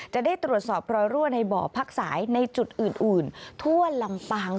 จะได้ตรวจสอบรอยรั่วในบ่อพักสายในจุดอื่นทั่วลำปาง